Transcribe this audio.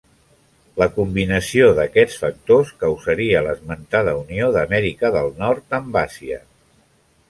La combinació d'aquests factors causaria l'esmentada unió d'Amèrica del Nord amb Àsia.